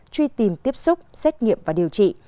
truy tìm tiếp xúc xét nghiệm và điều trị